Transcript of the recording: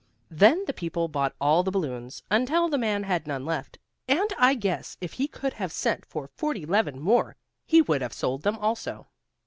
Then the people bought all the balloons, until the man had none left, and I guess if he could have sent for forty 'leven more he would have sold them also.